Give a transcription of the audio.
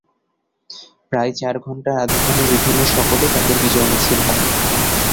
প্রায় চার ঘণ্টা রাজধানীর বিভিন্ন সকলে তাদের বিজয় মিছিল হয়।